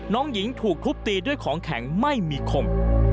น้องหญิงถูกทุบตีด้วยของแข็งไม่มีคม